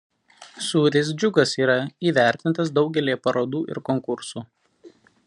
Sūris „Džiugas“ yra įvertintas daugelyje parodų ir konkursų.